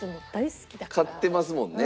買ってますもんね。